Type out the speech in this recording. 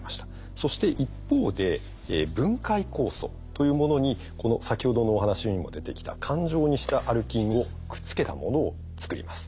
そして一方で分解酵素というものにこの先ほどのお話にも出てきた環状にしたアルキンをくっつけたものを作ります。